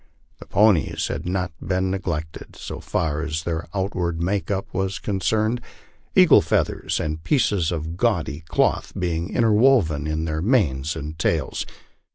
The ponies had not been neglected, so far as their outward make up was concerned, eagle feathers and pieces of gaudy cloth being in terwoven in their manes and tails.